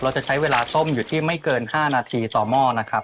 จะใช้เวลาต้มอยู่ที่ไม่เกิน๕นาทีต่อหม้อนะครับ